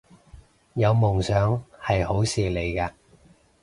有夢想係好事嚟嘅